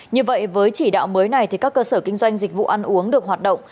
như vậy với chỉ đạo mới này các cơ sở kinh doanh dịch vụ ăn uống được hoạt động